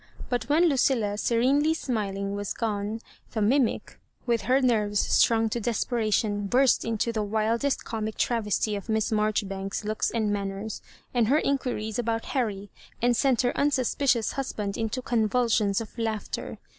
But when Lucilla^ serenely smiling, was gone, the mimic, with her nerves stmng to desperation, burst into the wildest comic tra* vesty of Miss Maijoribanks s looks and manners, and her inquiries about Harry> and sent her un suspicious husband into convulsions of laughter.